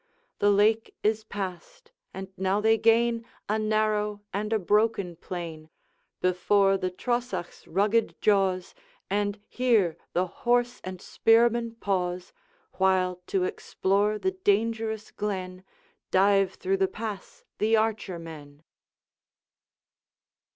The lake is passed, and now they gain A narrow and a broken plain, Before the Trosachs' rugged jaws; And here the horse and spearmen pause While, to explore the dangerous glen Dive through the pass the archer men.